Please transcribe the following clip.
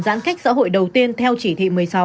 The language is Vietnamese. giãn cách xã hội đầu tiên theo chỉ thị một mươi sáu